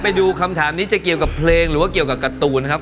ไปดูคำถามนี้จะเกี่ยวกับเพลงหรือว่าเกี่ยวกับการ์ตูนนะครับ